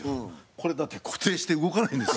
これだって固定して動かないんです。